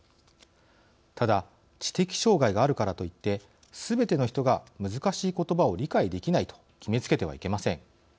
ただ知的障害があるからといってすべての人が難しい言葉を理解できないと決めつけてはいけません。